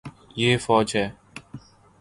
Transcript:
یے فوج ہے